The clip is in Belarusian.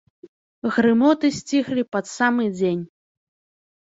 Грымоты сціхлі пад самы дзень.